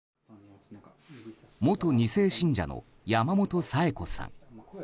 元２世信者の山本サエコさん。